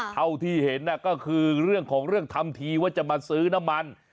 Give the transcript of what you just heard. เท่าที่เห็นก็คือเรื่องของเรื่องทำทีว่าจะมาซื้อน้ำมัน